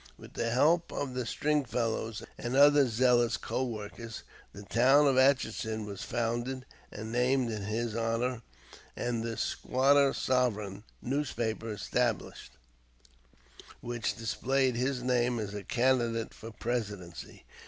With the help of the Stringfellows and other zealous co workers, the town of Atchison was founded and named in his honor, and the "Squatter Sovereign" newspaper established, which displayed his name as a candidate for the presidency.